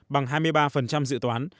bằng hai mươi ba dự toán